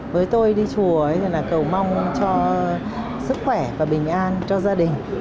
với tôi đi chùa là cầu mong cho sức khỏe và bình an cho gia đình